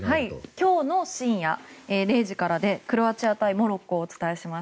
今日の深夜０時からでクロアチア対モロッコをお伝えします。